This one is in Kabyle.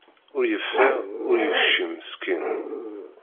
Ur yeffiɣ, ur yekcim meskin.